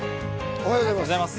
おはようございます。